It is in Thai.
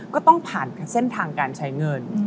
ก็ต้องผ่านเส้นทางการใช้เงิน